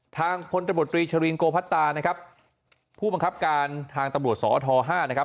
ทางพลตบตรีชรินโกพัตตานะครับผู้บังคับการทางตำรวจสอทห้านะครับ